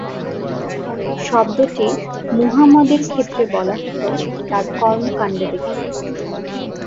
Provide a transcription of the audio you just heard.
শব্দটি মুহাম্মাদের ক্ষেত্রে বলা হত তার কর্মকাণ্ড দেখে।